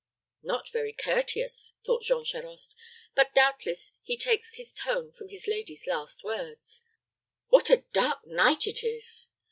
"Not very courteous," thought Jean Charost. "But doubtless he takes his tone from his lady's last words. What a dark night it is?"